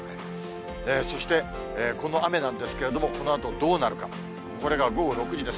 そして、この雨なんですけれども、このあとどうなるか、これが午後６時です。